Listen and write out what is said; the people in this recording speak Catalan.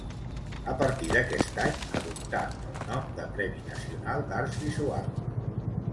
A partir d'aquest any adoptà el nom de Premi Nacional d'Arts Visuals.